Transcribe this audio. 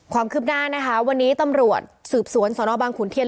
ความคืบหน้านะคะวันนี้ตำรวจสืบสวนสนบางขุนเทียน